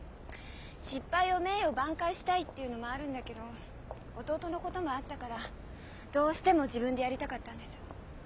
失敗を名誉挽回したいっていうのもあるんだけど弟のこともあったからどうしても自分でやりたかったんです。